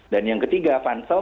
dan yang ketiga fansal